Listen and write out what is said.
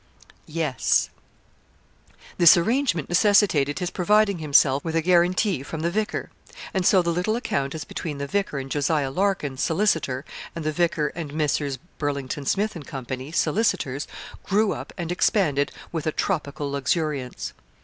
Yes.' This arrangement necessitated his providing himself with a guarantee from the vicar; and so the little account as between the vicar and Jos. Larkin, solicitor, and the vicar and Messrs. Burlington, Smith, and Co., solicitors, grew up and expanded with a tropical luxuriance.